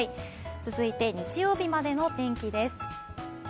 続いて日曜日までの天気です。